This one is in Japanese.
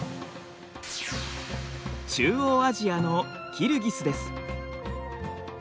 中央アジアのキルギスです。